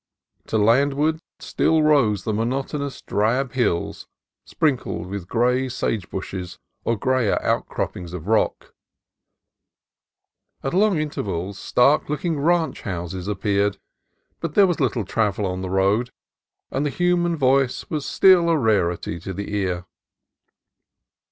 To landward still rose the monotonous drab hills sprinkled with gray sage bushes or grayer outcroppings of rock. At long in tervals, stark looking ranch houses appeared, but there was little travel on the road, and the human voice was still a rarity to the ear.